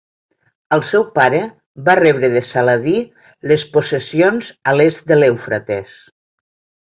El seu pare va rebre de Saladí les possessions a l'est de l'Eufrates.